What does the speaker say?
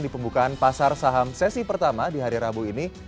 di pembukaan pasar saham sesi pertama di hari rabu ini